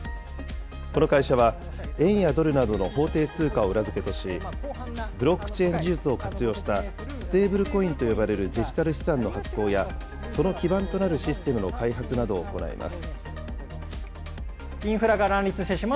この会社は、円やドルなどの法定通貨を裏付けとし、ブロックチェーン技術を活用したステーブルコインと呼ばれるデジタル資産の発行や、その基盤となるシステムの開発などを行います。